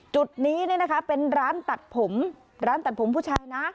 จุดนี้เนี่ยนะคะเป็นร้านตัดผมร้านตัดผมผู้ชายนะ